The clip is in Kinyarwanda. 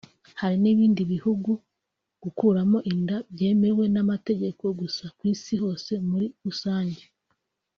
Hari n’ibindi bihugu gukuramo inda byemewe n’amategeko gusa ku isi hose muri rusange